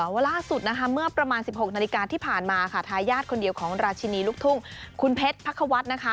ว่าล่าสุดนะคะเมื่อประมาณ๑๖นาฬิกาที่ผ่านมาค่ะทายาทคนเดียวของราชินีลูกทุ่งคุณเพชรพักควัฒน์นะคะ